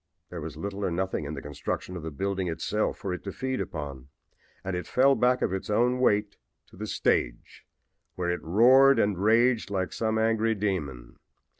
There was little or nothing in the construction of the building itself for it to feed upon, and it fell back of its own weight to the stage, where it roared and raged like some angry demon.